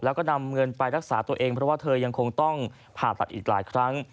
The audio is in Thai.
แล้วก็นำเงินไปรักษาตัวเองเพราะว่าเธอยังคงต้องผ่าตัดอีกหลายครั้ง